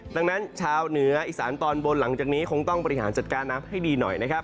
ดังนั้นชาวเหนืออีสานตอนบนหลังจากนี้คงต้องบริหารจัดการน้ำให้ดีหน่อยนะครับ